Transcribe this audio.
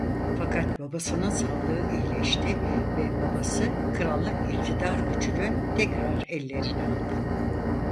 Fakat babasının sağlığı iyileşti ve babası krallık iktidar gücünü tekrar ellerine aldı.